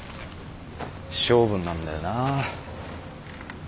性分なんだよな。